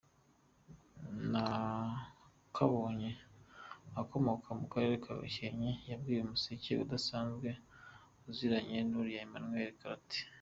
Nakabonye ukomoka mu karere ka Gakenke yabwiye Umuseke adasanzwe aziranye n’uriya Emmanuel Karake.